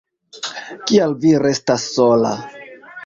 Kial vi restas sola?